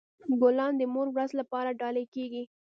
ګلان د مور ورځ لپاره ډالۍ کیږي.